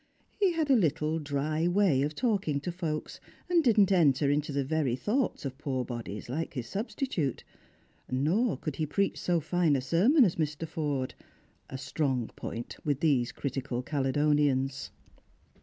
He had a little dry way of talking to folks, and didn't enter into the very thoughts of poor bodies like his substitute. Nor could he preach so fine a sermon as Mr. Forde; a strong jjoint with these critical Caledonians.